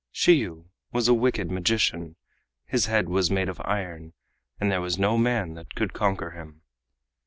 Shiyu was a wicked magician, his head was made of iron, and there was no man that could conquer him.